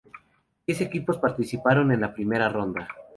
Diez equipos participaron en la primera ronda.